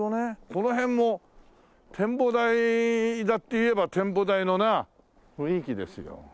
この辺も展望台だって言えば展望台のね雰囲気ですよ。